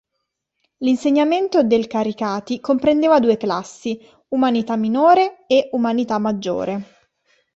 L'insegnamento del Caricati comprendeva due classi: "umanità minore" e "umanità maggiore".